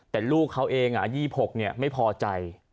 แต่ลูกเขาเองนี่๒๖ใบซาเหลิมไม่พอใจ